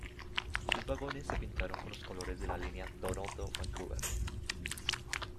Sus vagones se pintaron con los colores de la línea Toronto-Vancouver.